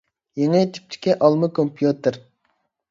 يېڭى تىپتىكى ئالما كومپيۇتېر.